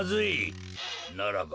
ならば。